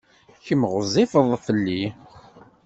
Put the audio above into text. Kemm ɣezzifeḍ fell-i.